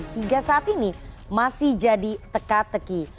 hingga saat ini masih jadi teka teki